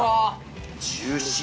ジューシー。